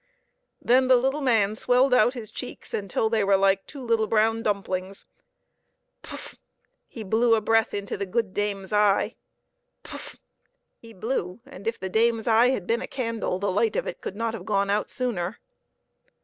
Then the little man swelled out his cheeks until they were like two little brown dump lings. Puff ! he blew a breath into the good dame's eye. Puff ! he blew, and if the dame's eye had been a candle, the light of it could not have gone out sooner.